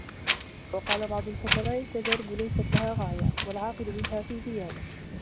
وَقَالَ بَعْضُ الْحُكَمَاءِ التَّجَارِبُ لَيْسَ لَهَا غَايَةٌ ، وَالْعَاقِلُ مِنْهَا فِي زِيَادَةٍ